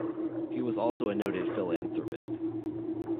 He was also a noted philanthropist.